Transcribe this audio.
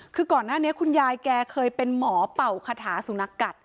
คือก่อนหน้านี้คุณยายแกเคยเป็นหมอเป่าคาถาสุนัขกัด